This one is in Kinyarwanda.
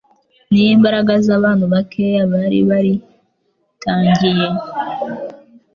n’imbaraga z’abantu bakeya bari baritangiye